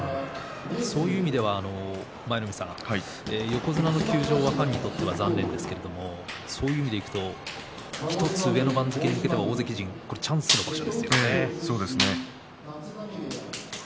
そういう意味では舞の海さん、横綱の休場はファンにとっては残念ですけどそういう意味では１つ上の番付に向けてそうですね。